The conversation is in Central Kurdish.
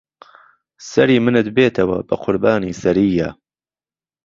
سەری منت بێتهوه به قوربانی سهرييه